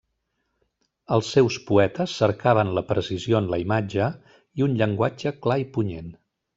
Els seus poetes cercaven la precisió en la imatge i un llenguatge clar i punyent.